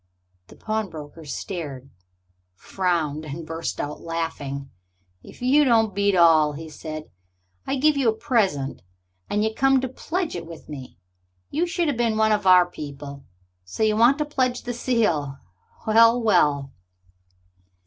The pawnbroker stared, frowned, and burst out laughing. "If you don't beat all!" he said. "I give you a present, and you come to pledge it with me! You should have been one of our people! So you want to pledge the seal. Well, well!"